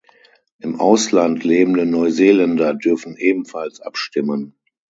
Im Ausland lebende Neuseeländer dürfen ebenfalls abstimmen.